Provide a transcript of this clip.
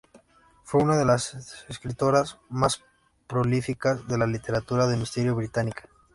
Fue una de las escritoras más prolíficas de la literatura de misterio británica.